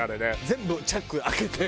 全部チャック開けて。